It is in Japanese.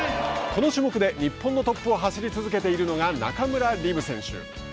この種目で日本のトップを走り続けているのが中村輪夢選手。